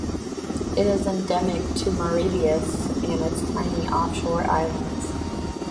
It is endemic to Mauritius and its tiny offshore islands.